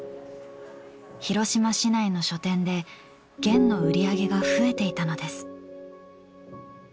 広島市内の書店で『ゲン』の売り上げが増えていたのです。